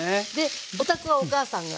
お宅はお母さんが？